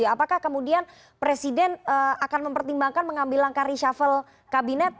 apakah kemudian presiden akan mempertimbangkan mengambil langkah reshuffle kabinet